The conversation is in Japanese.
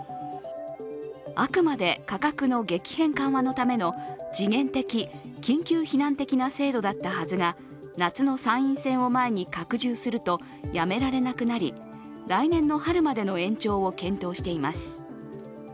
あくまで価格の激変緩和のための時限的、緊急避難的な制度だったはずが夏の参院選を前に拡充すると、やめられなくなり来年の春までの延長を検討しています。